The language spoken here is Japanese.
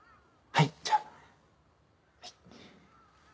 はいじゃあはい。